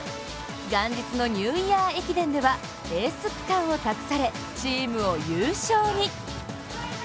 元日のニューイヤー駅伝ではエース区間を託され、チームを優勝に。